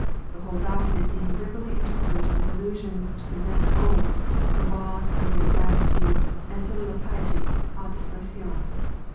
the whole document being liberally interspersed with allusions to the men of old, the laws of the reigning dynasty, and filial piety d discretion.